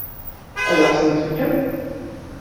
Ad ɣ-ten-tefkem?